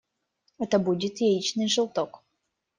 Это будет яичный желток.